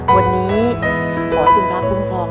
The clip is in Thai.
วันนี้ขอบพระคุณพระคุณพรอง